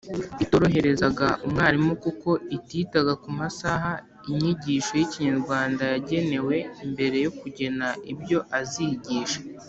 itoroherezaga umwarimu kuko ititaga ku masaha inyigisho y’ikinyarwanda yagenewe mbere yo kugena ibyo azigisha.